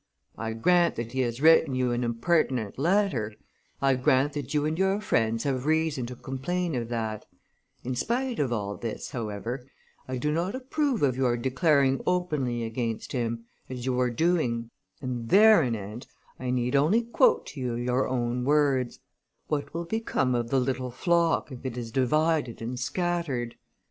I grant that he has written you an impertinent letter; I grant that you and your friends have reason to complain of that; in spite of all this, however, I do not approve of your declaring openly against him, as you are doing, and, thereanent, I need only quote to you your own words: 'What will become of the little flock, if it is divided and scattered?